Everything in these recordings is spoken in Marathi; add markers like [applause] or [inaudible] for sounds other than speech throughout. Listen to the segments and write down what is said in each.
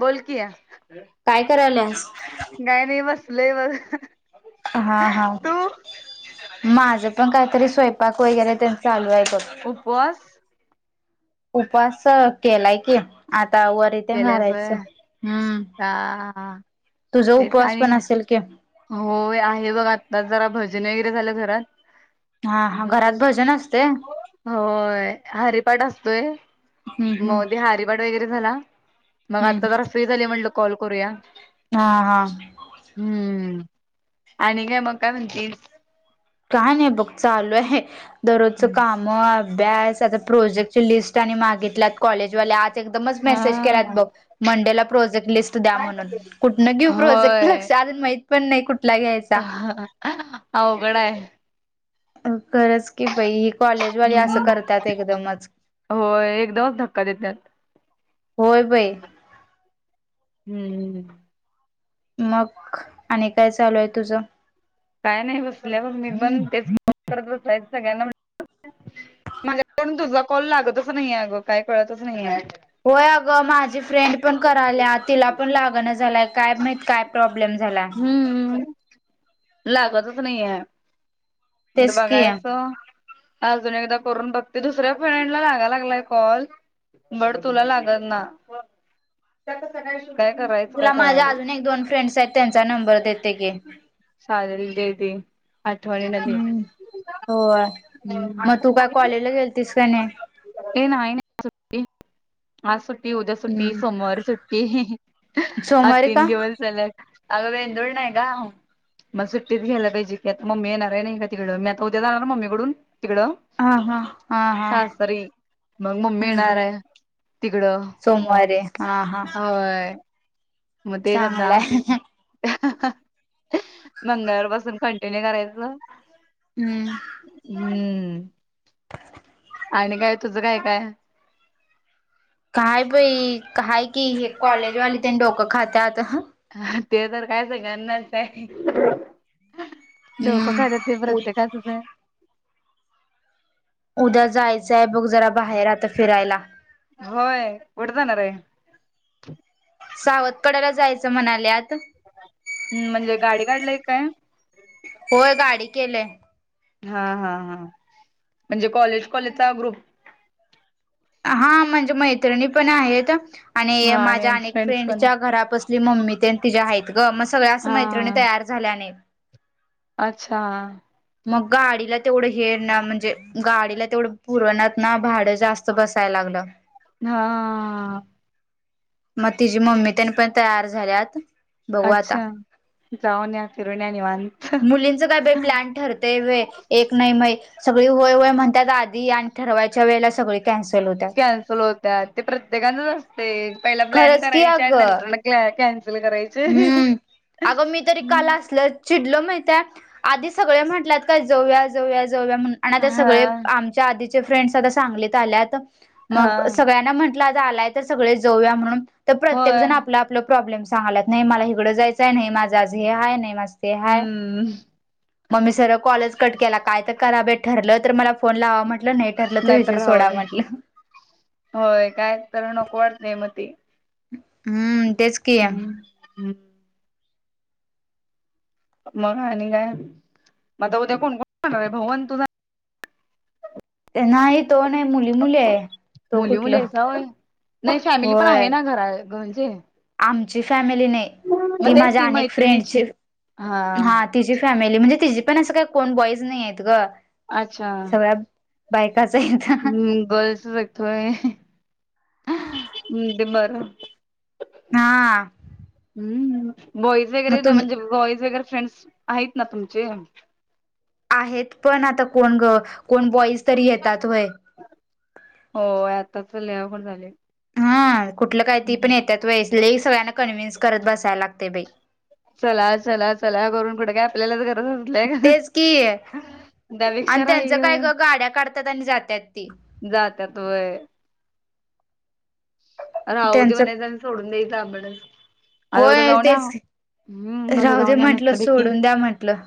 बोल की, काय नाय बसलोय बघ. हा हा, तू माझं पण काहीतरी स्वयंपाक वैगैरे तेन चालू आहे बघ. उपवास? उपवास केलाय की आता वरी ते केल्यास व्हय मारायचं. हम, हा तुझ उपवास पण असेल कि? हो आहे बघ आता जरा भजन वगैरे झालेत घरात. हा हा, हम्म घरात भजन असते? होय. हरिपाठ असतोय हम्म मग ते हरिपाठ वगैरे झाला. मग हम्म आता हम्म. जरा फ्री झाली म्हटलं कॉल करूया. हा हा हम्म. आणि काय मग काय म्हणतीस? काय नाही बघ, चालू आहे दररोजचं काम. म अभ्यास आता प्रोजेक्टची लिस्ट आणि मागितल्या कॉलेजवाल्या आज. एकदमच मेसेज केल्यात हा बघ मंडेला प्रोजेक्ट लिस्ट द्या म्हणून कुठनं घेऊ प्रोजेक्ट लक्ष अजून माहित पण नाही कुठ हा हा अवघड आहे. खरंच की बाई. कॉलेजवाली असं हम्म करत्यात एकदमच. होय एकदमच धक्का देतात होय बाई. हम्मम. मग, आणि काय चालू आहे तुझं? काय नाही बसल्या बघ मी पण तेच फोन करत बसायचं सगळ्यांना माझ्याकडून तुझा कॉल लागतच नाहीये, आगं काय कळतच नाही आहे. होय अगं, माझी फ्रेंड पण करायल्या तिला पण लागना झालाय. काय माहित काय प्रॉब्लेम झालाय. हम्म. लागतच नाहीये, कुठ तेच की बघायचं? अजून एकदा करून बघते दुसऱ्या फ्रेंडला लागाय लागलाय कॉल. बड तुला लागत ना? काय करायचं? काय तुला माझ्या कळना अजून एक दोन फ्रेंड्स आहेत त्यांचा नंबर देते की. चालेल दे दे आठवणीन दे. हम्म होय. मग तू काय कॉलेजला गेलतीस का नाही? ए नाही सुट्टी. आज सुट्टी, उद्या सुट्टी, हम्म सोमवारी सुट्टी आज सोमवारी का तीन दिवस सलग अगं वेंडोर नाही का? मग सुट्टीच घ्यायला पाहिजे की आता मम्मी येणार नाही का? इकडं तिकडं मी आता उद्या जाणार मम्मीकडून तिकडं. हा हा सासरी मग मम्मी हम्म. येणार आहे तिकडं सोमवारी हा हा. होय मग तेच आता. चांगलाय मंगळवार पासून कंटिन्यू करायचं. हम्म. हम्म. आणि काय तुझं काय काय? काय बाई, काय की कॉलेजवाली ते डोकं खातत. ह, ते तर काय सगळ्यानाच आहे? डोकं खायात ते हम्म प्रत्येकाचंच आहे. उद्या जायचंय बघ जरा बाहेर आता फिरायला. होय! कुठ जाणाऱय? सावत कडाला जायचं म्हणाल्यात. हम्, म्हणजे गाडी काढलाय काय? होय, गाडी केलेय. हा हा हा, म्हणजे कॉलेज -कॉलेज चा ग्रुप. हा म्हणजे, मैत्रिणी पण आहेत आणि हा आणि माझ्या अनेक फ्रेंड्स पण फ्रेंडच्या घरापसून त मम्मी ते तिच्या आहेत ग, मग सगळ्या असं हा मैत्रिणी तयार झाल्याने अच्छा! मग गाडीला तेवढं हे ना म्हणजे, गाडीला तेवढं पुरणात ना भाडं जास्त बसाय लागलं. हा.... मग तिची मम्मी त्यांनी पण तयार झाल्यात. बघू आता अच्छा! जाऊ न या फिरून या निवांत. मुलींच काय बाई प्लॅन ठरते व्हय, एक नाय माहीत. सगळी व्हय व्हय म्हणतात आधी आणि ठरवायच्या वेळेला सगळी कॅन्सल होत्या. कॅन्सल होत्या, प्रत्येका असतेय पहिला प्लॅन खरंच की करायचा आणि अगं नंतर लगेच क [unintelligible] य कॅन्सल करायच. हम्म, अग मी तरी काला असल चिडलो माहितय, आधी सगळे म्हटलात काय जाऊया, जाऊया, जाऊया, म्हणून आणि आता सगळे हा आम ह्याच्या आधीच्या फ्रेंड्स सगळ्यात सांगलीत आल्यात, हा मग सगळ्यांना म्हण आलाय सगळे जाऊया म्हणून, तर प्रत्येक होय जण आपल -आपल प्रॉब्लेम सांगलायत. नाही मला हकडं जायचं, नाही माझं आज हे हाय, नाही माझं ते हाय. हम्म मग मी सरळ कॉलच कट केला, काय तर करा बेत ठरलं तर मला फोन लावा म्हटलं नाही ठरलं तर नाहीतर विषय राव सोडा दे, म्हटलं. होय काय तर नको वाटतय मग ते. हम्म, तेच. की हम्म हम्म, मग आणि काय? म आता उद्या कोण कोण होणार आहे भाऊ तू जाणार नाही तो नाही मुली -मुली आहे, तो मुली मुली कुठलं? आहेसा होय नाही फॅमिली पण होय आहे ना घरा- घरचे. आमची फॅमिली नाही, ती तेच माझ्या की अनेक मैत्रिणीची फ्रेंडची, हा. तिची फॅमिली म्हणजे तिची पण असं काही कोण बॉईज नाही आहेत ग. अच्छा! सगळ्या बायकाच येत. हम्म गर्ल्स [unintelligible] सगतोय ते बर. हा. हम्म, बॉईज मग वगैरे तुम म्हणजे बॉईज वगैरे फ्रेंड्स आहेत ना तुमचे? आहेत पण आता कोण ग कोण बॉईज तरी येतात व्हय. हो आताच लई अवघड झाले. हा कुठलं काही ती पण येतात व्हय, लय सगळ्यांना कन्व्हिन्स कराव बसायला लागते बाई. चला चला चला करून कुठं काय आपल्यालाच गरज. असल्या का तेच की आणि त्यापेक्षा त्यांचं राही काय ग गाड्या काढतात आणि जात्यात ते. जात्यात वय. राहू दे त्यांचं म्हणाय सोडून द्याच अबडस. होय तेच कि उद्या राहू दे जाऊन या म्हंटल मस्तपैकी सोडून द्या म्हंटलं.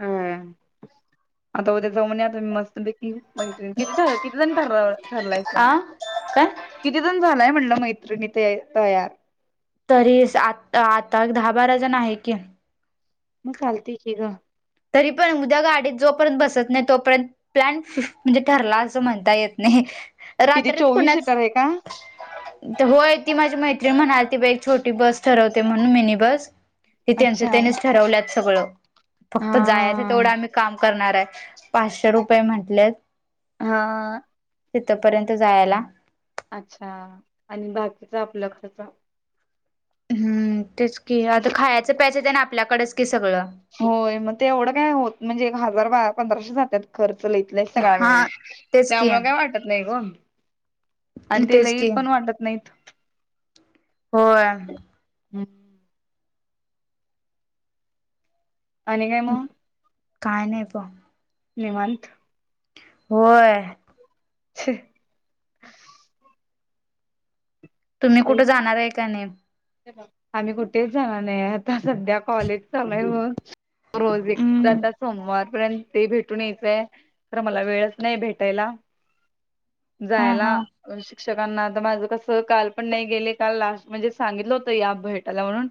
हम्म आता उद्या जाऊ आ मी मस्त पैकी बघित किती छान किती जण ठरवला. आ काय? दोन जनी हाय म्हटलं मैत्रिणी तयार. तरी आ आता दहा बारा जण आहे की. मग चालत की ग. तरी पण उद्या गाडीत जोपर्यंत बसत नाही तोपर्यंत प्लॅन म्हणजे ठरला असं म्हणता येत नाही. किती रात्रीत चोवीस सीटर आहे का? कुणाच--टिन टिन होय ती माझी मैत्री म्हणाली ती बा एक छोटी बस ठरवते म्हणून मिनी बस ते त्यांचं अच्छा त्यानीच ठरवलंत सगळं. हा फक्त जायचं तेवढं आम्ही काम करणार आहे पाचशे रुपये म्हटलेत. हा. तिथपर्यंत जायला. अच्छा आणि बाकीच आपला खर्च. हम्म तेच कि आता खायचं प्याजच आहे त्यान आपल्याकडेच कि सगळं. होय मग ते एवढं काय होत म्हणजे हजार पंधराशे जातात खर्च लईत लई. हा तेच की त्यामुळे काय वाटत नाही ग. आणि ते तेच लई की पण वाटत नाहीत. होय. हम्म. आणि काय मग काय नाही पण. निवांत. होय. हि तुम्ही कुठे जाणार आहे का नाही आम्ही कुठेच जाणार नाही आता सध्या कॉलेज चालू म्हणून रोज एक हम्म आता सोमवारपर्यंत ते भेटून यायचंय तर मला वेळच नाही भेटायला हा हा जायला शिक्षकांना आता माझं कसं काल पण नाही गेले काल लास्ट म्हणजे सांगितलं होत या भेटाला म्हणून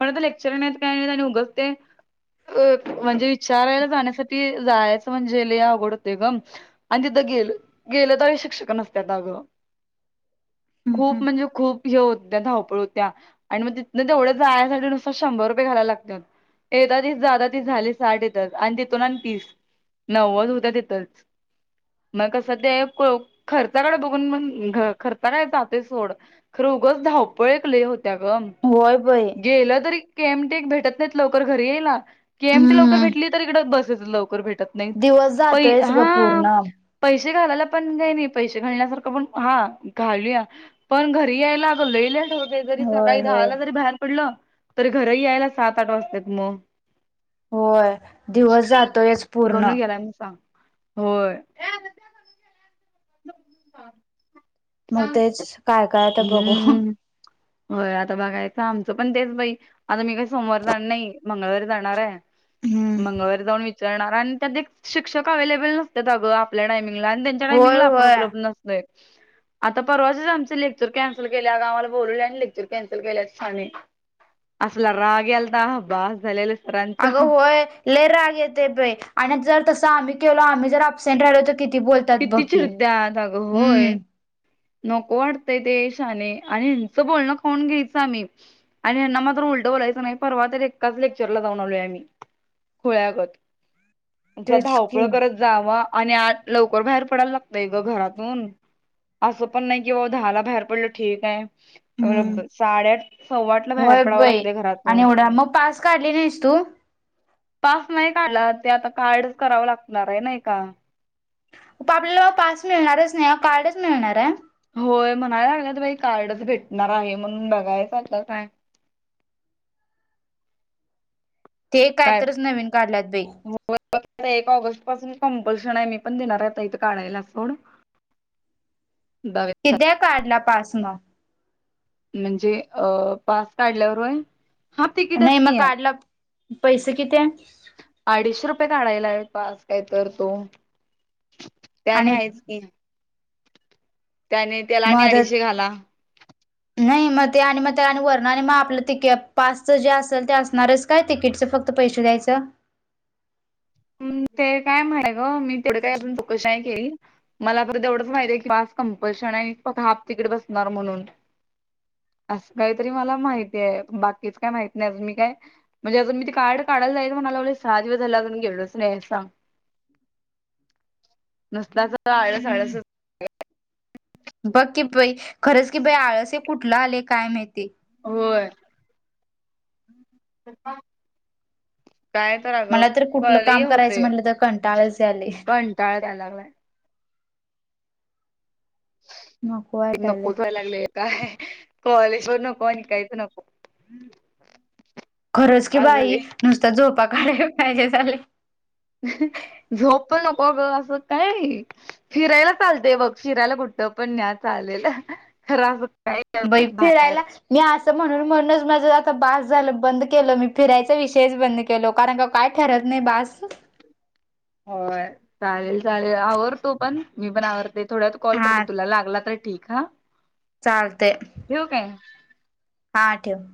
पण आ लेक्चर नाही काय नाही आणि उगचते साग अ म्हणजे विचारायला जाण्यासाठी जायचं म्हणजे लय आवडते ग ह आणि तिथं गेल गेलं तर शिक्षक नसत दहाव्या हम्म खूप हम्म म्हणजे खूप हे होते धावपळ होते त्या आणि मग तिथनं तेवढ्या जाण्यासाठी नुसत शंभर रुपये घायला लागत्यात त्या एदा तीस जादा तीस झाली साडे तर आणि तिथून आणि पीस नव्वद होत्या देतच मग कसं ते खर्चाकडे बघून मण खर्चा काय हते सोड खर खोगच धवपळ प्ले होत्या ग. होय बाई गेलं तरी के एम टी एक भेटत नाहीत. लवकर घरी यायला. के एम टी लवकर हम्म भेटली. तर, इकडं बसेस लवकर भेटत नाहीत. दिवस पै जातोयच ग हा पूर्ण पैसे घालायला पण काय नाही. पैसे घालण्यासारखं पण हा घालूया. पण घरी यायला आग लई लेट हो तय. जरी होय सकाळी होय दहाला जरी बाहेर पडलं, तरी घरही यायला सात आठ वाजतात मग. होय दिवस जातोयच पूर्ण. आलाय म्हणून सांग. होय. [unintelligible] मग तेच काय काय तर बघू. हम्म होय. आता बघायचं आमचं पण तेच बाई आता मी काही सोमवार जाणार नाही. मंगळवारी जाणार आहे. हम्म मंगळवारी जाऊन विचारणार. आणि त्यात एक शिक्षक अवेलेबल नसत्यात अगं, आपल्या टायमिंगला आणि त्या टायमिंग होय ला आपण होय उपलब्ध नसतोय. आता परवाशेच आमचे लेक्चर कॅन्सल केल्या. अगं आम्हाला बोलवल्या आणि लेक्चर कॅन्सल केल्या अगं शहाणे. असला राग यालता बास झालेल अगं होय. लय राग येते बाई, आणि जर तस आम्ही केलो आम्ही जर अप सेंट राहिलो तर किती बोलतात बघ किती की, चिडत्यात अगं होय. हम्म. नको वाटतंय ते शहाने. आणि ह्याचं बोलणं खाऊन घ्यायच आम्ही. आणि यांना मात्र उलटं बोलायचं नाही. परवा तर एकाच लेक्चर ला जाऊन आलोय आम्ही. होय अगंत. तेच की धावपळ करत जावा आणि आज लवकर बाहेर पडायला लागतय ग घरातून. असं पण नाही. की बाबा दहाला बाहेर पडलं ठीक आहे. अ हम्म ब साडेआठ, सव्वाआठ ला बाहेर होय पडायला बाई लागतय आणि घरातून. एवढा मग पास काढली नाहीस तू पास नाही काढला. ते आता कार्डच करावं लागणार आहे नाही का. आपल्याला पास मिळणारच नाही कार्डच मिळणार आहे. होय. म्हणायला लागल्यात बाई कार्डच भेटणार आहे. म्हणून बघायचं आता काय. ते कायतरच नवीन काढल्यात बाई. व फक्त एक ऑगस्ट पासून कंपल्शन आहे. मी पण देणार आहे इथं काढायला सोड. बावीस कीदया काढला पास मग म्हणजे अ पास काढल्यावर होय. हा नाही. तिकीटच मग की काढला. पैसे किती आहे? अडीचशे रुपये काढायला आहेत पास काय तर तो. ते आणि आहेच की. त्याने त्याला मग आणि आता अडीचशे घाला. नाही मग ते, आणि मग ते आणि वरण आणि मग आपलं ते पासच जे असेल ते असणारच काय तिकीटचं फक्त पैसे द्यायचं. हम ते काय माहित ग. मी तेवढं काय अजून चौकशी नाही केली. मला परत ते एवढंच माहिती आहे की. पास कंप्लशन आहे फक्त हाफ तिकीट बसणार म्हणून, असं काहीतरी मला माहिती आहे. बाकीच काय माहीत नाही. अजून मी काय म्हणजे अजून मी ते कार्ड काढायला जायचं म्हणायला लागलोय. सहा दिवस झाल अजून गेलोच नाही. न्याय सांग. नुसता असं आळस आळसच बघ की, पई खरंच की, बाई आळस हे कुठलं आले काय माहितीय. होय. काय तर अगं. मला तर कुठलं मला लई हे काम करायचं होतंय, म्हटलं तर कंटाळच आले कंटाळाच याय लागलाय. नको ते वाटाले नकोच व्हायलांगलेय. काय कॉलेज पण नको आणि काहीच नको. खरंच की असं बाई झालंय नुसत्या झोपा काढायला पाहिजे झालंय. झोप पण नको ग, असं काही फिरायला चालतेय बघ फिरायला कुठं पण न्या चालेलं खंर असं काय बई बाहेर फिरायला मी असं म्हणून म्हणूनच माझ आता बस झालं बंद केलं मी फिरायचा विषयच बंद के लो कारणं का काय ठरत नाही बासं होय चालेल चालेल आवर तू पण मी पण आवरते. थोड्यात कॉल करते हा तुला लागला तर ठीक हां. चालतयं! ठेवू, काय? हां ठेव.